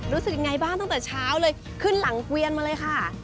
รู้สึกยังไงบ้างตั้งแต่เช้าเลยขึ้นหลังเกวียนมาเลยค่ะ